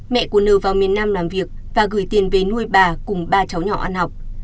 mẹ của nừ vào miền nam làm việc và gửi tiền về nuôi bà cùng ba cháu nhỏ ăn học